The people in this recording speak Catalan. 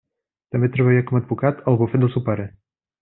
També treballà com a advocat al bufet del seu pare.